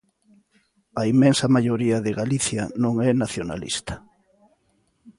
A inmensa maioría de Galicia non é nacionalista.